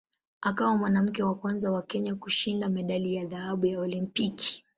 Akawa mwanamke wa kwanza wa Kenya kushinda medali ya dhahabu ya Olimpiki.